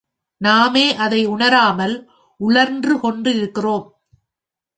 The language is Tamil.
நாமே அதை உணராமல் உழன்று கொண்டிருக்கிறோம்.